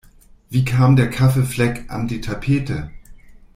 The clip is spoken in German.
Wie kam der Kaffeefleck an die Tapete?